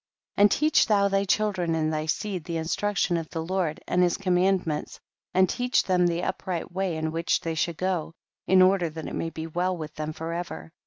27. And teach thou thy children and thy seed the instructions of the Lord and his commandments, and teach them the upright way in Avhich they should go, in order that it may be well with them forever.